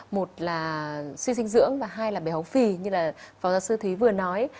một là suy sinh dưỡng và hai là béo phì như là phó giáo sư thúy vừa nói